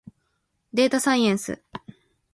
でーたさいえんす。